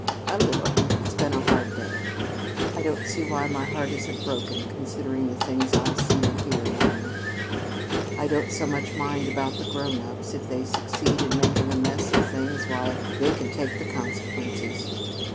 "A little. It's been a hard day. I don't see why my heart isn't broken, considering the things I see and hear, Marna! I don't so much mind about the grown ups. If they succeed in making a mess of things, why, they can take the consequences.